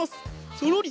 そろり。